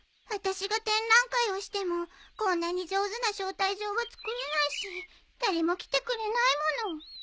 私が展覧会をしてもこんなに上手な招待状は作れないし誰も来てくれないもの。